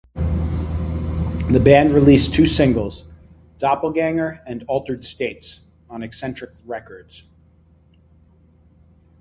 The band released two singles, "Doppelganger" and "Altered States" on Eccentric Records.